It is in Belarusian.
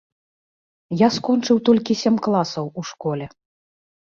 Я скончыў толькі сем класаў у школе.